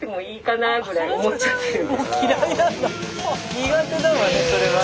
苦手だわねそれは。